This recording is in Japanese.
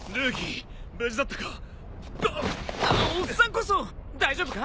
おっさんこそ大丈夫か！？